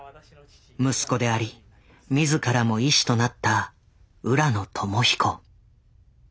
息子であり自らも医師となった浦野友彦。